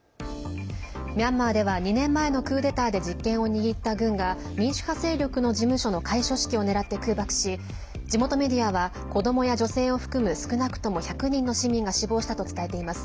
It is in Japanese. ミャンマーでは２年前のクーデターで実権を握った軍が民主派勢力の事務所の開所式を狙って空爆し１００人の市民が死亡したと伝えています。